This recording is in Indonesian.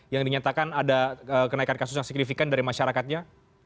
yang dinyatakan ada kenaikan kasus yang signifikan dari masyarakatnya